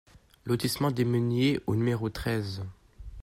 Lotissement des Meuniers au numéro treize